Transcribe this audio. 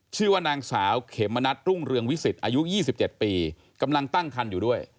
ชื่อว่านางสาวเขมณัฐรุ่งเรืองวิสิตอายุ๒๗ปีกำลังตั้งคันอยู่ด้วย